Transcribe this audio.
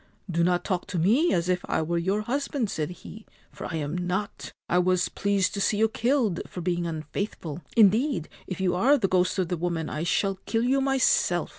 ' Do not talk to me as if I were your husband/ said he, ' for I am not. I was pleased to see you killed for being unfaithful. Indeed, if you are the ghost of the woman 1 shall kill you myself